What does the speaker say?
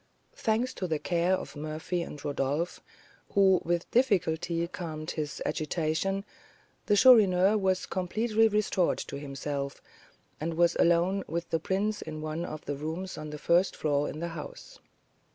Thanks to the care of Murphy and Rodolph, who with difficulty calmed his agitation, the Chourineur was completely restored to himself, and was alone with the prince in one of the rooms on the first floor in the house.